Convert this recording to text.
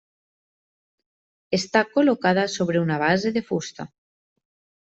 Està col·locada sobre una base de fusta.